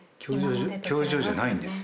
「教場じゃないんですよ」